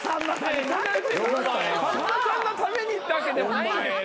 さんまさんのためにってわけではないんですけど。